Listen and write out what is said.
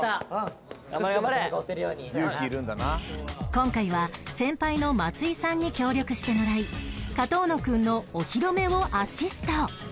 今回は先輩の松井さんに協力してもらい上遠野くんのお披露目をアシスト